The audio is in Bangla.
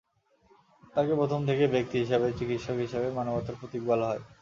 তাঁকে প্রথম থেকেই ব্যক্তি হিসেবে, চিকিৎসক হিসেবে মানবতার প্রতীক বলা হয়।